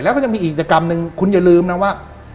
แล้วก็ยังมีอีกกิจกรรมหนึ่งคุณอย่าลืมนะว่า